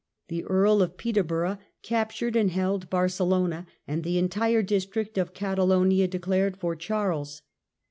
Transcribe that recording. The Earl of Peterborough captured and held Barcelona, y and the entire district of Catalonia declared campaigns for Charles.